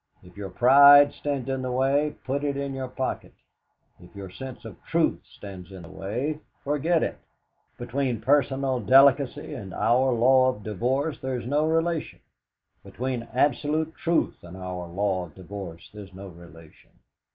If your pride stands in the way, put it in your pocket. If your sense of truth stands in the way, forget it. Between personal delicacy and our law of divorce there is no relation; between absolute truth and our law of divorce there is no relation.